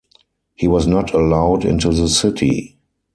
He was not allowed into the city.